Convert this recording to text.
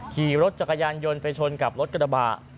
ขี่รถจักรยานยนต์ไปชนกับรถกระบะ